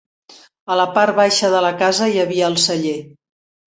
A la part baixa de la casa hi havia el celler.